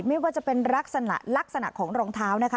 ไม่ว่าจะเป็นลักษณะลักษณะของรองเท้านะคะ